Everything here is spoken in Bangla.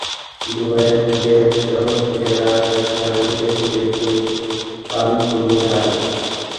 দুবাইয়ের দেরা শহর থেকে রাত একটার দিকে ছুটে চলি পাম জুমেরায়।